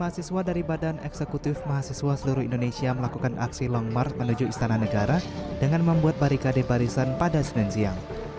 ratusan mahasiswa dari badan eksekutif mahasiswa seluruh indonesia melakukan aksi long mark menuju istana negara dengan membuat barikade barisan pada sinensiang